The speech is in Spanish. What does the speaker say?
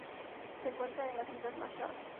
Se encuentra en las Islas Marshall.